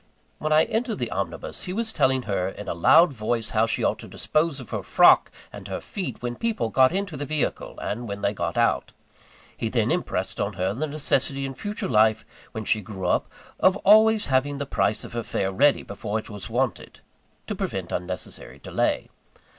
When I entered the omnibus, he was telling her in a loud voice how she ought to dispose of her frock and her feet when people got into the vehicle, and when they got out. He then impressed on her the necessity in future life, when she grew up, of always having the price of her fare ready before it was wanted, to prevent unnecessary delay.